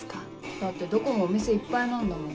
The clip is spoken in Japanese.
だってどこもお店いっぱいなんだもん。